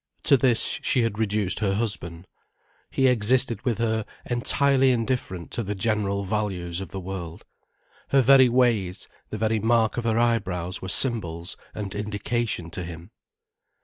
To this she had reduced her husband. He existed with her entirely indifferent to the general values of the world. Her very ways, the very mark of her eyebrows were symbols and indication to him.